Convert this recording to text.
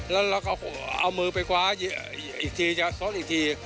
แล้วเอามือไปกว้าอีกทีไปส้นอีกที